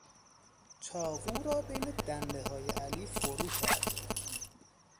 چاقو را بین دندههای علی فرو کرد.